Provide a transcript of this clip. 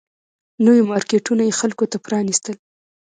نوي مارکیټونه یې خلکو ته پرانيستل